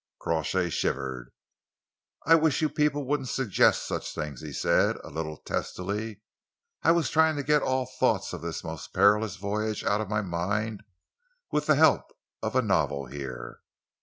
Crawshay shivered. "I wish you people wouldn't suggest such things," he said, a little testily. "I was just trying to get all thought of this most perilous voyage out of my mind, with the help of a novel here.